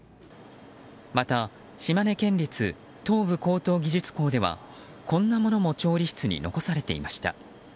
また、島根県立東部高等技術校ではこんなものも調理室に残されていました。